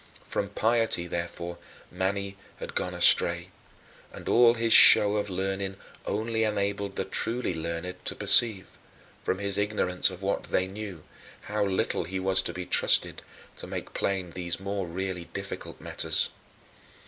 From piety, therefore, Mani had gone astray, and all his show of learning only enabled the truly learned to perceive, from his ignorance of what they knew, how little he was to be trusted to make plain these more really difficult matters.